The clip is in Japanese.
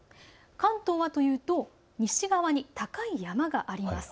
関東はというと西側に高い山があります。